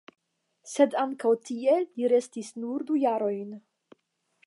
Sed ankaŭ tie li restis nur du jarojn.